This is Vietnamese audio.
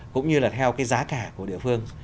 cũng như là theo cái giá cả của địa phương